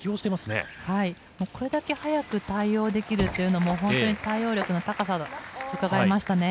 これだけ早く対応できるというのも対応力の高さを伺えましたね。